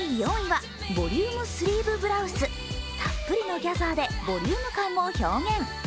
たっぷりのギャザーでボリューム感を表現。